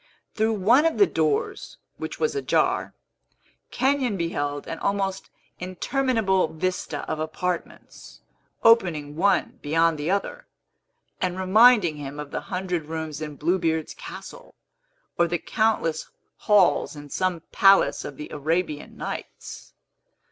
Through one of the doors, which was ajar, Kenyon beheld an almost interminable vista of apartments, opening one beyond the other, and reminding him of the hundred rooms in Blue Beard's castle, or the countless halls in some palace of the Arabian Nights.